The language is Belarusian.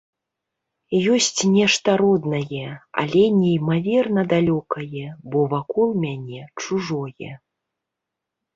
Ёсць нешта роднае, але неймаверна далёкае, бо вакол мяне чужое.